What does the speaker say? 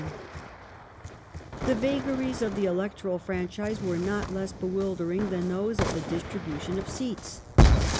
The elec The vagaries of the electoral franchise were not less bewildering total fran \]^q^ those of the distribution of seats.